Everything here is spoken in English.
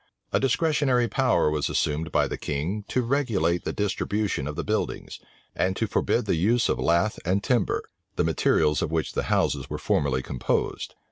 A discretionary power was assumed by the king to regulate the distribution of the buildings, and to forbid the use of lath and timber, the materials of which the houses were formerly composed.